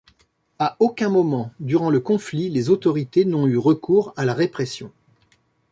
À aucun moment, durant le conflit, les autorités n’ont eu recours à la répression.